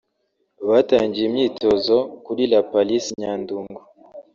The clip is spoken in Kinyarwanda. batangiye imyitozo kuri La Palisse Nyandungu